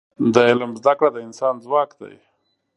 د علم زده کړه د انسان ځواک دی.